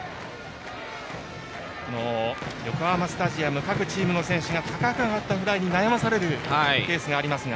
横浜スタジアム各チームの選手が高く上がったフライに悩まされるケースがありますが。